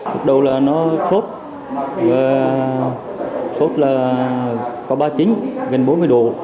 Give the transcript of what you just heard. lúc đầu là nó sốt sốt là có ba mươi chín gần bốn mươi độ